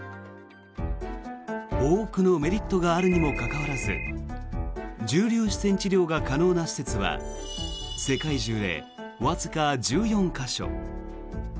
多くのメリットがあるにもかかわらず重粒子線治療が可能な施設は世界中でわずか１４か所。